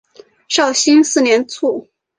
绍兴四年卒。